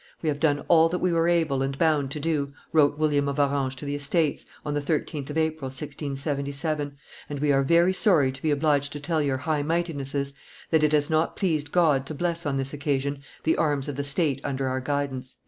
"We have done all that we were able and bound to do," wrote William of Orange to the Estates, on the 13th of April, 1677, "and we are very sorry to be obliged to tell your High Mightinesses that it has not pleased God to bless on this occasion the arms of the state under our guidance."